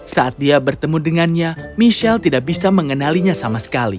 saat dia bertemu dengannya michelle tidak bisa mengenalinya sama sekali